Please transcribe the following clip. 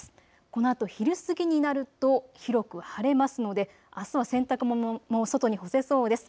このあと昼過ぎになると広く晴れますので、あすは洗濯物も外に干せそうです。